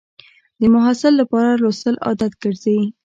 د محصل لپاره لوستل عادت ګرځي.